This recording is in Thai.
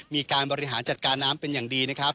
มีการบริหารจัดการน้ำเป็นอย่างดีนะครับ